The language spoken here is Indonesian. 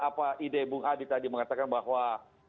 apa ide bung hadi tadi mengatakan bahwa